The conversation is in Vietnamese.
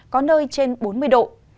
có nơi trên bốn mươi độ